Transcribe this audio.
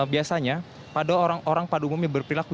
biasanya pada orang orang pada umumnya berperilaku